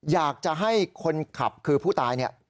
อยากจะให้คนขับคือผู้ตายเนี่ย